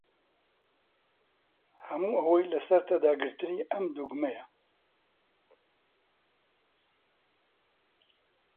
هەموو ئەوەی لەسەرتە داگرتنی ئەم دوگمەیەیە.